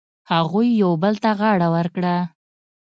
هغوی یو بل ته غاړه ورکړه.